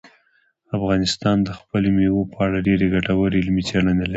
افغانستان د خپلو مېوو په اړه ډېرې ګټورې علمي څېړنې لري.